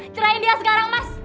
cerain dia sekarang mas